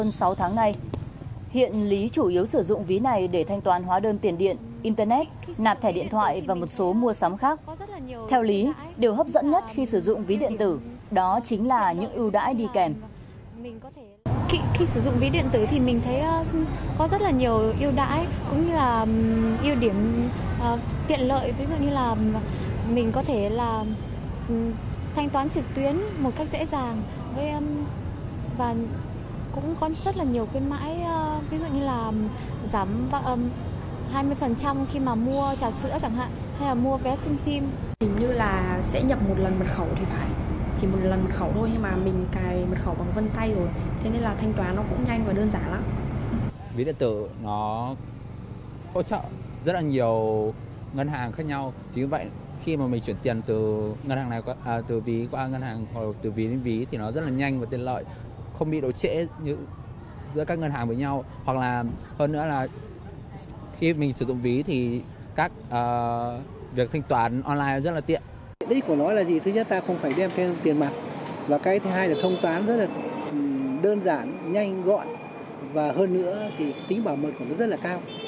nói là gì thứ nhất ta không phải đem thêm tiền mặt và cái thứ hai là thông toán rất là đơn giản nhanh gọn và hơn nữa thì tính bảo mật của nó rất là cao